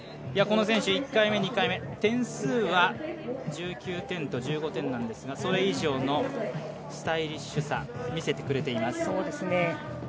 この選手、１回目、２回目、点数は１９点と１５点なんですがそれ以上のスタイリッシュさ見せてくれています。